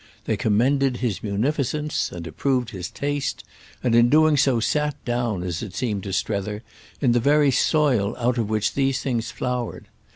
They commended his munificence and approved his taste, and in doing so sat down, as it seemed to Strether, in the very soil out of which these things flowered.